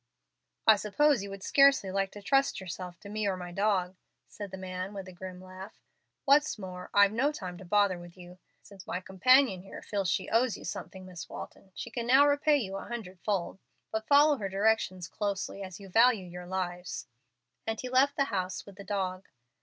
"I suppose you would scarcely like to trust yourselves to me or my dog," said the man, with a grim laugh. "What's more, I've no time to bother with you. Since my companion here feels she owes you something, Miss Walton, she can now repay you a hundred fold. But follow her directions closely, as you value your lives;" and he left the house with the dog.